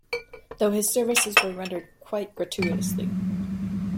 Though his services were rendered quite gratuitously.